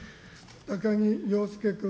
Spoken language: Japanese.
高木陽介君。